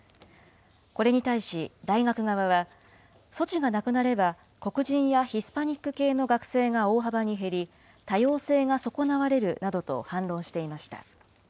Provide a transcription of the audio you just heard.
これに対し、大学側は、措置がなくなれば、黒人やヒスパニック系の学生が大幅に減り、多様性が損なわれるなどと反論していました。